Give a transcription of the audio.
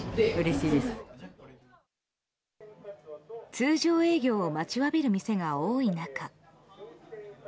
通常営業を待ちわびる店が多い中。